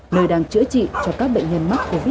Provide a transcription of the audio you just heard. nơi đang chữa trị cho các bệnh nhân mắc covid một mươi chín